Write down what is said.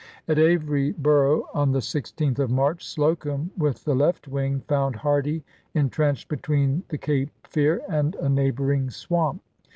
At Averysboro' on the 16th of March, Slocum, with the left wing, found Hardee intrenched between the Cape Fear and a neighboring swamp.